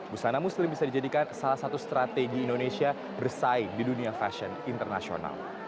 busana muslim bisa dijadikan salah satu strategi indonesia bersaing di dunia fashion internasional